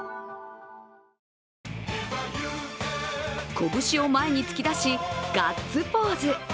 拳を前に突き出し、ガッツポーズ。